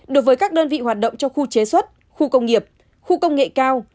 đối với các đơn vị hoạt động trong khu chế xuất khu công nghiệp khu công nghệ cao